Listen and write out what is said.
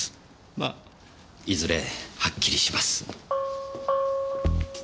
まあいずれはっきりします。